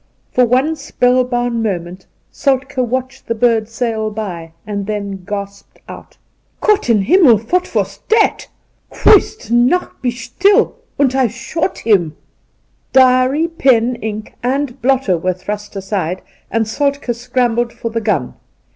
For one spellbound moment Soltke watched the bird sail by, and then gasped out :' Gott in Himmel I what woss dat ? Christnacht, be shtill, und I shot him.' Diary, pen, ink and blotter were thrust aside, and Soltk6 scrambled for the gun.